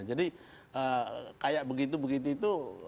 jadi kayak begitu begitu itu